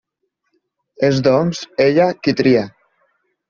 És doncs ella qui tria.